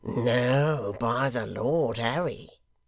'No, by the Lord Harry!